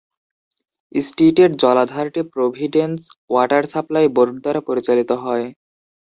স্টিটেট জলাধারটি Providence water supply board দ্বারা পরিচালিত হয়।